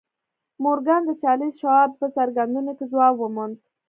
مورګان د چارلیس شواب په څرګندونو کې ځواب وموند